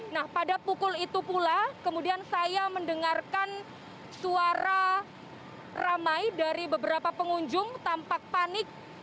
nah pada pukul itu pula kemudian saya mendengarkan suara ramai dari beberapa pengunjung tampak panik